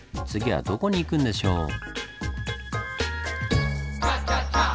次はどこに行くんでしょう？